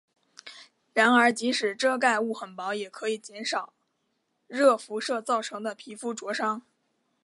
然而即使遮盖物很薄也可以减少热辐射造成的皮肤灼伤。